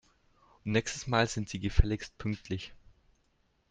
Und nächstes Mal sind Sie gefälligst pünktlich!